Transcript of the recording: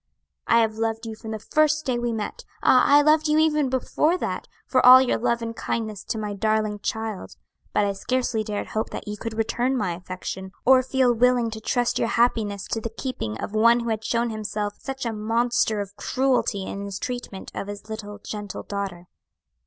I have loved you from the first day we met! ah, I loved you even before that, for all your love and kindness to my darling child; but I scarcely dared hope that you could return my affection, or feel willing to trust your happiness to the keeping of one who had shown himself such a monster of cruelty in his treatment of his little gentle daughter.